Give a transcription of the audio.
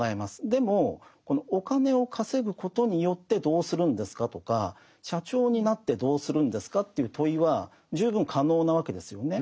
でもお金を稼ぐことによってどうするんですか？とか社長になってどうするんですか？という問いは十分可能なわけですよね。